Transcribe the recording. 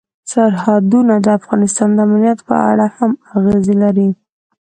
سرحدونه د افغانستان د امنیت په اړه هم اغېز لري.